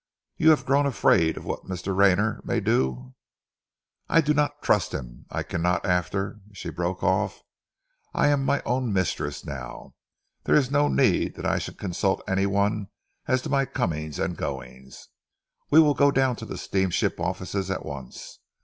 You have grown afraid of what Mr. Rayner may do." "I do not trust him. I cannot after " She broke off. "I am my own mistress now. There is no need that I should consult any one as to my comings and goings. We will go down to the steamship offices at once.